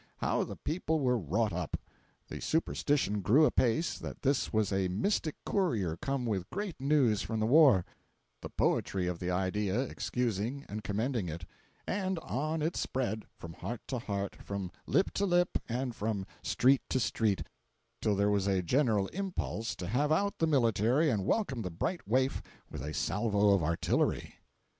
How the people were wrought up! The superstition grew apace that this was a mystic courier come with great news from the war—the poetry of the idea excusing and commending it—and on it spread, from heart to heart, from lip to lip and from street to street, till there was a general impulse to have out the military and welcome the bright waif with a salvo of artillery!